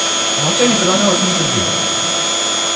Молчание продолжалось минуты две.